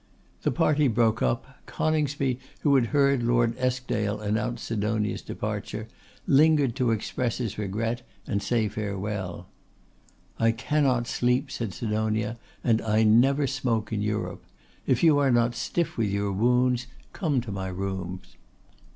The party broke up. Coningsby, who had heard Lord Eskdale announce Sidonia's departure, lingered to express his regret, and say farewell. 'I cannot sleep,' said Sidonia, 'and I never smoke in Europe. If you are not stiff with your wounds, come to my rooms.